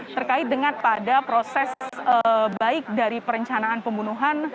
terkait dengan pada proses baik dari perencanaan pembunuhan